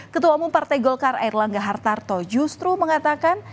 ketua umum partai golkar air langga hartarto justru mengatakan